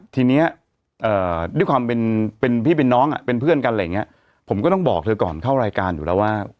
ทีนี้ด้วยความเป็นเป็นพี่เป็นน้องอ่ะเป็นเพื่อนกันอะไรอย่างเงี้ยผมก็ต้องบอกเธอก่อนเข้ารายการอยู่แล้วว่า